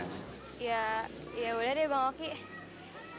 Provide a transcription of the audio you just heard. ya ya udah deh bang oki